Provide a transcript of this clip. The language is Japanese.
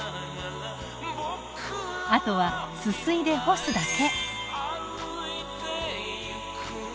あとはすすいで干すだけ。